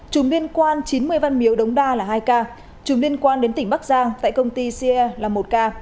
chùm liên quan chín mươi văn miếu đống đa là hai ca trùm liên quan đến tỉnh bắc giang tại công ty ce là một ca